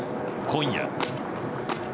今夜。